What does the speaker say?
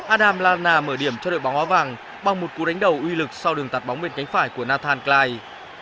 adam lallana mở điểm cho đội bóng hóa vàng bằng một cú đánh đầu uy lực sau đường tạt bóng bên cánh phải của nathan clyde